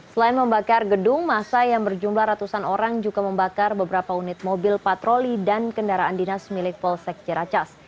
selain membakar gedung masa yang berjumlah ratusan orang juga membakar beberapa unit mobil patroli dan kendaraan dinas milik polsek ciracas